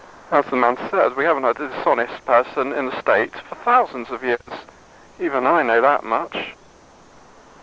As the man said, we haven't had a dishonest person in the State for thousands of years. Even I know that much.